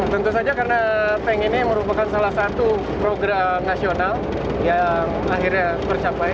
tentu saja karena tank ini merupakan salah satu program nasional yang akhirnya tercapai